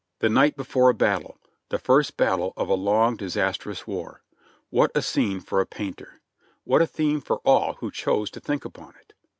The night before a battle ! the first battle of a long, disastrous war ! What a scene for a painter ! What a theme for all who choose to think upon it!